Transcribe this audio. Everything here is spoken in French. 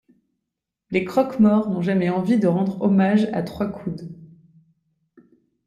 Les croque-morts n'ont jamais envie de rendre hommage à trois coudes.